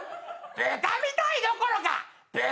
豚みたいどころか豚